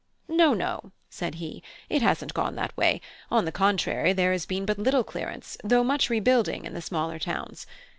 "No, no," said he, "it hasn't gone that way. On the contrary, there has been but little clearance, though much rebuilding, in the smaller towns.